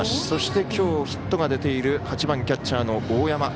そして、きょうヒットが出ている８番キャッチャーの大山。